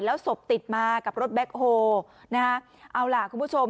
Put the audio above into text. แล้วศพติดมากับรถแบ็คโฮลนะฮะเอาล่ะคุณผู้ชม